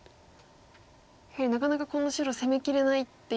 やはりなかなかこの白攻めきれないっていう。